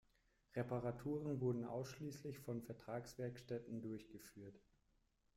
Reparaturen wurden ausschließlich von Vertragswerkstätten durchgeführt.